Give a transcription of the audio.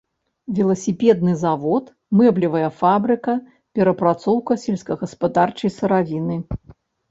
Веласіпедны завод, мэблевая фабрыка, перапрацоўка сельскагаспадарчай сыравіны.